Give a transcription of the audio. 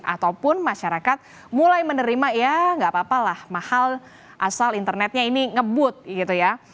ataupun masyarakat mulai menerima ya nggak apa apa lah mahal asal internetnya ini ngebut gitu ya